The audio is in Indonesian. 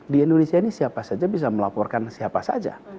di indonesia ini siapa saja bisa melaporkan siapa saja